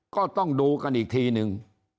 ก็ต้องดูกันอีกทีนึง